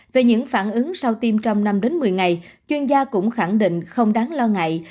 về những phản ứng sau tiêm trong năm đến một mươi ngày chuyên gia cũng khẳng định không đáng lo ngại